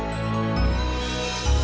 selamat tinggal nek